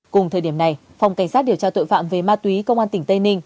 cùng thời điểm này phòng cảnh sát điều tra tội phạm về ma túy công an tỉnh tây ninh